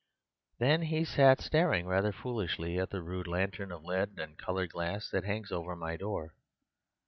Then he sat staring rather foolishly at the rude lantern of lead and coloured glass that hangs over my door.